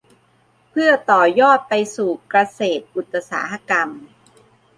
เพื่อต่อยอดไปสู่เกษตรอุตสาหกรรม